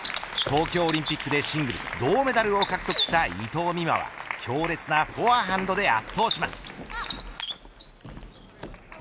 東京オリンピックでシングルス銅メダルを獲得した伊藤美誠は強烈なフォアハンドで圧倒します。